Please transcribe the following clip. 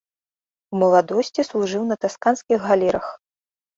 У маладосці служыў на тасканскіх галерах.